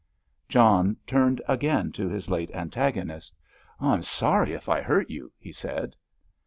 John turned again to his late antagonist. "I am sorry if I hurt you!" he said.